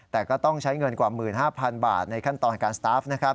แต่ก็ต้องใช้เงินกว่า๑๕๐๐๐บาทในขั้นตอนการสตาฟนะครับ